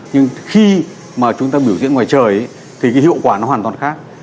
nhưng khi mà chúng ta biểu diễn ngoài trời thì cái hiệu quả nó hoàn toàn khác